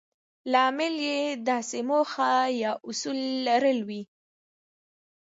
لامل يې داسې موخه يا اصول لرل وي.